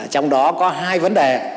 trong đó có hai vấn đề